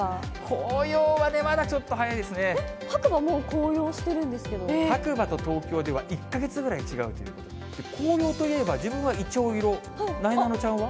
紅葉はね、まだちょっと早い白馬、もう紅葉してるんです白馬と東京では１か月ぐらい違うということで、紅葉といえば、自分はイチョウ色、なえなのちゃんは？